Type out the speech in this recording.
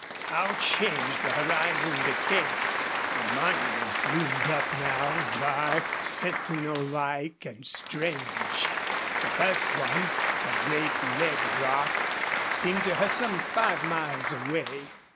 How changed the horizon became! The monuments loomed up now, dark, sentinel like, and strange. The first one, a great red rock, seemed to her some five miles away.